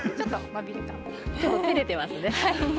てれてますね。